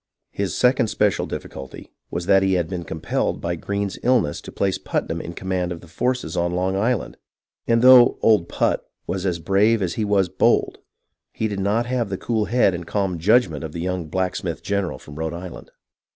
His second special difficulty was that he had been compelled by Greene's illness to place Putnam in command of the forces on Long Island, and though " Old Put " was as brave as he was bold, he did not have the cool head and calm judg ment of the young blacksmith general from Rhode Island.